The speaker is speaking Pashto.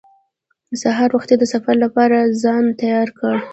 سهار وختي د سفر لپاره ځان تیار کړ.